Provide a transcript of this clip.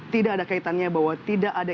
tidak ada kaitannya bahwa tidak ada